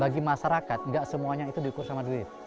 bagi masyarakat tidak semuanya itu diukur dengan duit